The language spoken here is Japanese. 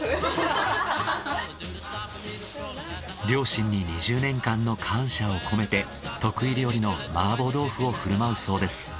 両親に２０年間の感謝を込めて得意料理の麻婆豆腐を振る舞うそうです。